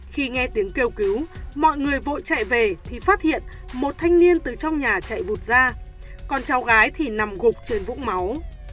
khi nghe tiếng kêu cứu mọi người vội chạy về thì phát hiện một thanh niên từ trong nhà chạy vụt ra còn cháu gái thì nằm gục trên vũng máu